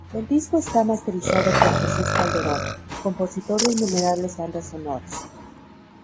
El disco está masterizado por Jesús Calderón, compositor de innumerables bandas sonoras.